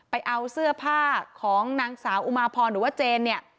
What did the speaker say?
ไปเอาเสื้อผ้าของนางสาวอุมาพรหรือว่าเจนเนี่ย